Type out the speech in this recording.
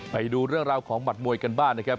ไปดูเรื่องราวของหมัดมวยกันบ้างนะครับ